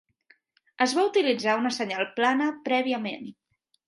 Es va utilitzar una senyal plana prèviament.